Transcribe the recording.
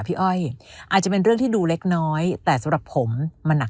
อ้อยอาจจะเป็นเรื่องที่ดูเล็กน้อยแต่สำหรับผมมันหนัก